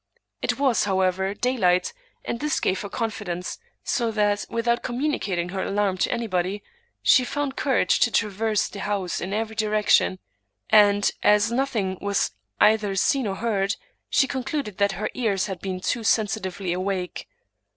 It was, however, daylight, and this gave her confidence ; so that, without communicat ing her alarm to anybody, she found courage to traverse the house in every direction; and, as nothing was either seen or heard, she concluded that her ears had been too sensitively awake.